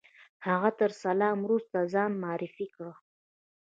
هغه تر سلام وروسته ځان معرفي کړ.